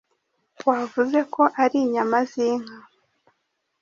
Wavuze ko ari inyama zinka.